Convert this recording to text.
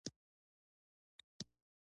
د لیک او وینا طرز یې تنقیدي تمایل لري.